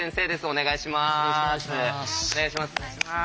お願いします。